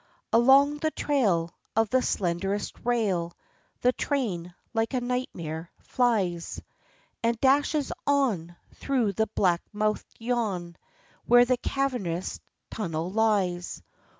Along the trail Of the slender rail The train, like a nightmare, flies And dashes on Through the black mouthed yawn Where the cavernous tunnel lies.